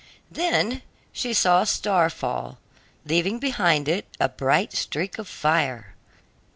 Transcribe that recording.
Then she saw a star fall, leaving behind it a bright streak of fire.